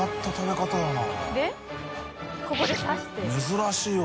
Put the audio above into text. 珍しいよ